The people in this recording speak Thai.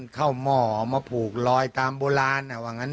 เข้าม่อมาผูกลอยตามโบราณว่างั้นโดย